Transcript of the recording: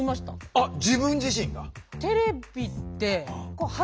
あっ自分自身が？